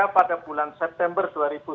tiga pada bulan september dua ribu sembilan belas